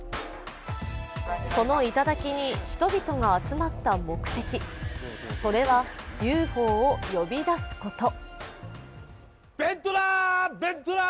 その頂に人々が集まった目的、それはＵＦＯを呼び出すこと。